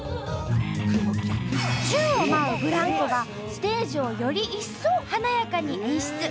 宙を舞うブランコがステージをより一層華やかに演出。